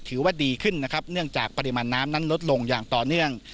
ถือว่าดีขึ้นนะครับเนื่องจากปริมาณน้ำนั้นลดลงอย่างต่อเนื่อง